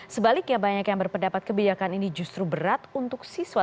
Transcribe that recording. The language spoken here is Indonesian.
sebaliknya banyak yang berpendapat kebijakan ini justru berat untuk siswa